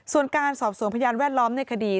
ส่วนการสอบสวนพยานแวดล้อมในคดี